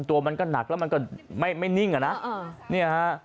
ตัวมันก็หนักแล้วมันก็ไม่นิ่งอ่ะนะเนี่ยฮะ